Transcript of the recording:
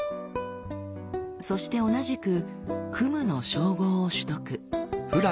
そして同じく「クム」の称号を取得。